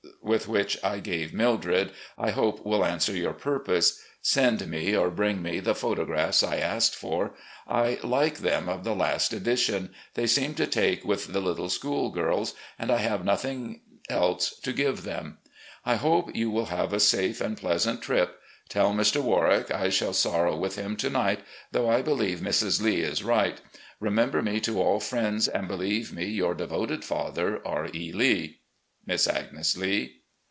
.. which, with what I gave Mildred, I hope will answer your purpose. Send me or bring me the photographs I asked for. I like them of the last edition; they seem to take with the little school girls, and I have 2o8 recollections OF GENERAL LEE nothing else to give them. I hope you will have a safe and pleasant trip. Tell Mr. Warwick I shall sorrow with him to night — though I believe Mrs. Lee is right. Re member me to all friends, and believe me, "Your devoted father, R. E. Lee. "Miss Agnes Lee."